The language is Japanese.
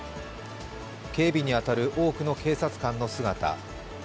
警備に当たる多くの警察官の姿。